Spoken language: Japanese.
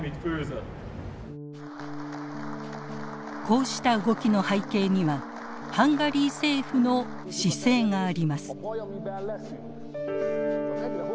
こうした動きの背景にはハンガリー政府の姿勢があります。